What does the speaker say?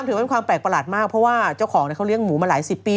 ถือว่าเป็นความแปลกประหลาดมากเพราะว่าเจ้าของเขาเลี้ยงหมูมาหลายสิบปี